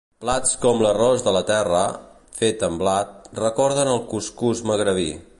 Plats com l'arròs de la terra, fet amb blat, recorden el cuscús magribí.